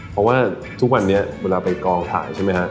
เพราะว่าทุกวันนี้เวลาไปกองถ่ายใช่ไหมฮะ